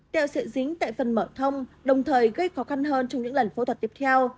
teo sợi dính tại phần mở thông đồng thời gây khó khăn hơn trong những lần phẫu thuật tiếp theo